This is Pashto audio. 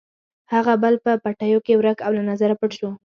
هغه بل یې په پټیو کې ورک او له نظره پټ شو.